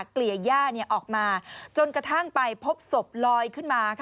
เกลี่ยย่าออกมาจนกระทั่งไปพบศพลอยขึ้นมา